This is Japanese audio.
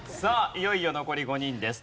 いよいよ残り５人です。